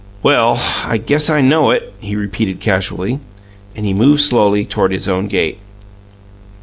"Well, I guess I know it," he repeated casually. And he moved slowly toward his own gate.